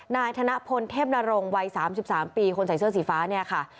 นายธนพลเทพนรงค์วัย๓๓ปีคนใส่เสื้อสีฟ้า